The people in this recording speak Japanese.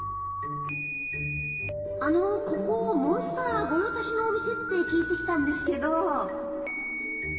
あのここモンスター御用達のお店って聞いてきたんですけど。